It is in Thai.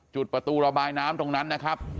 ประตูระบายน้ำตรงนั้นนะครับ